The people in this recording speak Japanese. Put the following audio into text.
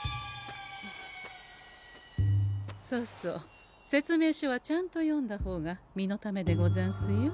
そうそう説明書はちゃんと読んだ方が身のためでござんすよ。